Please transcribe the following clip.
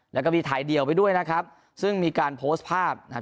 แล้วก็มีถ่ายเดี่ยวไปด้วยนะครับซึ่งมีการโพสต์ภาพนะครับ